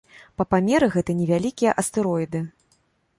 Па памеры гэта невялікія астэроіды.